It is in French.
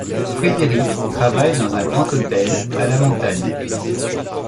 Frédéric travaille dans un grand hôtel à la montagne.